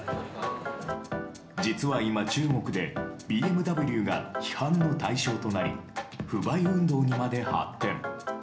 実は今、中国でＢＭＷが批判の対象となり不買運動にまで発展。